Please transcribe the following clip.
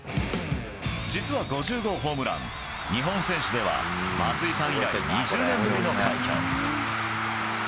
実は５０号ホームラン、日本選手では松井さん以来、２０年ぶりの快挙。